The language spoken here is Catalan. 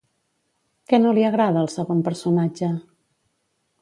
Què no li agrada al segon personatge?